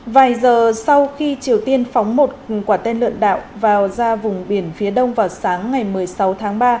vài giờ sau khi triều tiên phóng một quả tên lửa đạo vào ra vùng biển phía đông vào sáng ngày một mươi sáu tháng ba